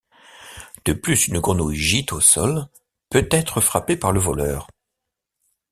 De plus, une grenouille gît au sol, peut-être frappée par le voleur.